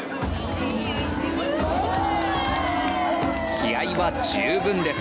気合いは十分です。